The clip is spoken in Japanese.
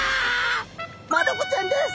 マダコちゃんです！